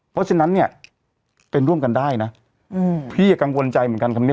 เพราะฉะนั้นเนี่ยเป็นร่วมกันได้นะพี่กังวลใจเหมือนกันคำนี้